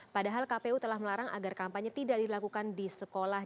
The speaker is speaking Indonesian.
padahal kpu telah melarang agar kampanye tidak dilakukan di sekolah